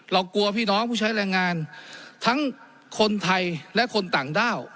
กลัวพี่น้องผู้ใช้แรงงานทั้งคนไทยและคนต่างด้าว